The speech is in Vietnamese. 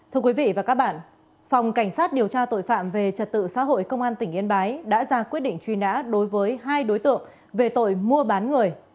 kính chào các bạn phòng cảnh sát điều tra tội phạm về trật tự xã hội công an tỉnh yên bái đã ra quyết định truy nã đối với hai đối tượng về tội mua bán người